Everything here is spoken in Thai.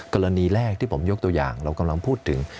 กรณีแรกที่ผมยกตัวอย่างเรากำลังพูดถึง